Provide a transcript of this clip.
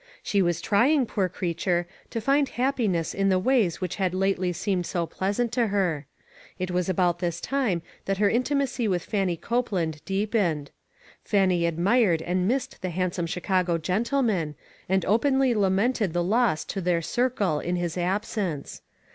She was trying, poor creature, to find happiness in the ways which had lately seemed so pleasant to her. It was about this time that her intimacy with Fannie Copeland deepened. Fannie admired and missed the handsome Chicago gentleman, and openly lamented the loss to their circle in his absence.